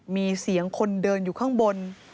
มีเสียงคนเดินอยู่ข้างบน